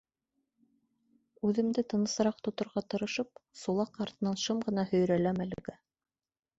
Үҙемде тынысыраҡ тоторға тырышып, Сулаҡ артынан шым ғына һөйрәләм әлегә.